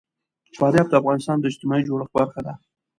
فاریاب د افغانستان د اجتماعي جوړښت برخه ده.